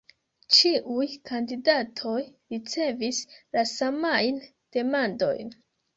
Ĉiuj kandidatoj ricevis la samajn demandojn.